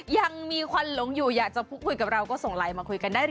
ยังมีควันหลงอยู่อยากจะพูดคุยกับเราก็ส่งไลน์มาคุยกันได้